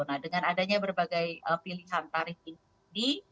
nah dengan adanya berbagai pilihan tarif ini